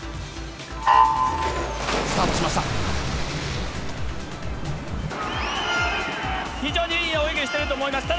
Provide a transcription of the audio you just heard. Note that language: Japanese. スタートしました。